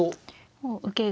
もう受けが。